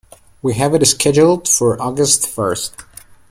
We have it scheduled for August first.